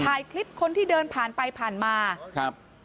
ถ่ายคลิปคนที่เดินผ่านไปผ่านมาครับ